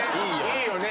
いいよね。